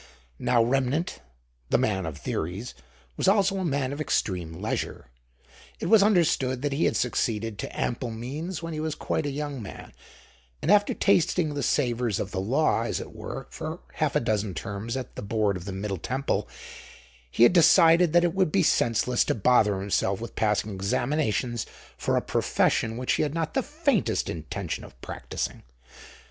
Now Remnant, the man of theories, was also a man of extreme leisure. It was understood that he had succeeded to ample means when he was quite a young man, and after tasting the savors of the law, as it were, for half a dozen terms at the board of the Middle Temple, he had decided that it would be senseless to bother himself with passing examinations for a profession which he had not the faintest intention of practising.